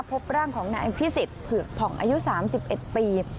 พบร่างของนายพิสิทธิ์ผือกผ่องอายุสามสิบเอ็ดปี